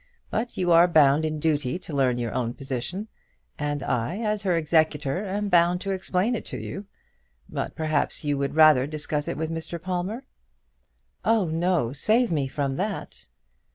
But you are bound in duty to learn your own position; and I, as her executor, am bound to explain it to you. But perhaps you would rather discuss it with Mr. Palmer." "Oh no; save me from that."